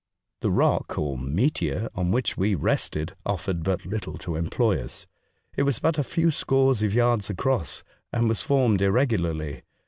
The rock, or meteor, on which we rested offered but little to employ us. It was but a few scores of yards across, and was formed irregularly.